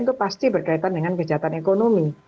itu pasti berkaitan dengan kejahatan ekonomi